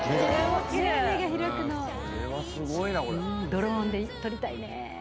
ドローンで撮りたいね。